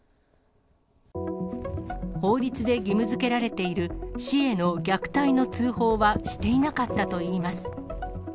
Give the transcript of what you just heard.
法律で義務づけられている市への虐待の通報はしていなかったといいます。